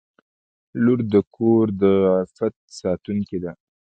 • لور د کور د عفت ساتونکې ده.